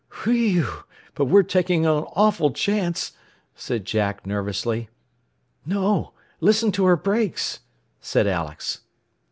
"Whe ew! But we're taking an awful chance," said Jack, nervously. "No. Listen to her brakes," said Alex.